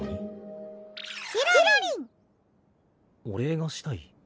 お礼がしたい？